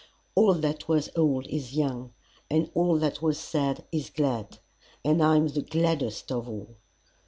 All that was old is young, and all that was sad is glad, and I am the gladdest of all.